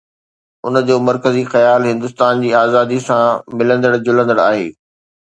ان جو مرڪزي خيال هندستان جي آزاديءَ سان ملندڙ جلندڙ آهي